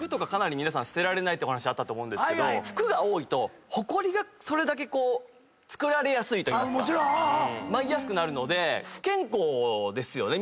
服捨てられないってお話あったと思うんですけど服が多いとホコリがそれだけつくられやすいといいますか舞いやすくなるので不健康ですよね。